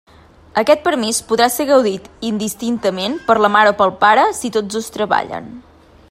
Aquest permís podrà ser gaudit indistintament per la mare o pel pare si tots dos treballen.